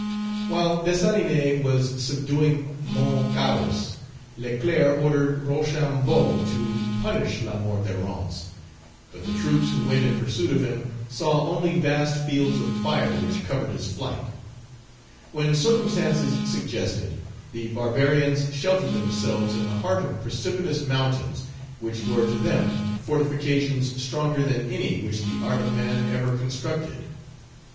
While Dessalines was subduing Mount Cahos, Leclerc ordered Rochambeau to punish Lamour de Rance; but the troops who went in pursuit of him saw only vast fields of fire which covered his flight. When circumstances suggested, the barbarians sheltered themselves in the heart of precipitous mountains, which were to them fortifications stronger than any which the art of man ever constructed.